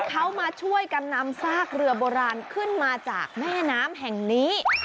เขามาช่วยกันนำซากเรือโบราณขึ้นมาจากแม่น้ำแห่งนี้